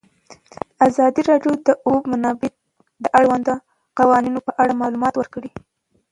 ازادي راډیو د د اوبو منابع د اړونده قوانینو په اړه معلومات ورکړي.